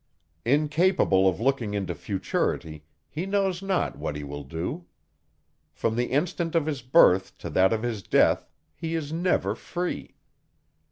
Incapable of looking into futurity, he knows not what he will do. From the instant of his birth to that of his death, he is never free.